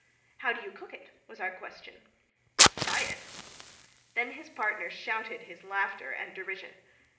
"How do you cook it?" was our question. "Fry it." Then his partner shouted his laughter and derision.